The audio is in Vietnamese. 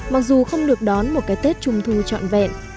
mặc dù không được đón một cái tết trung thu trọn vẹn